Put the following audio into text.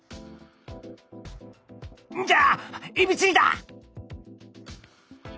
じゃあエビチリだ！